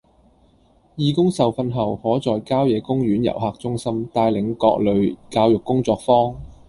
義工受訓後可在郊野公園遊客中心帶領各類教育工作坊